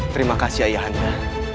terima kasih ayah anda